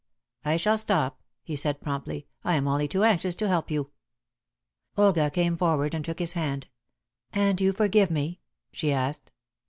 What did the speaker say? "I shall stop," he said promptly. "I am only too anxious to help you." Olga came forward and took his hand. "And you forgive me?" she asked.